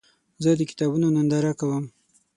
زه د کتابونو ننداره کوم.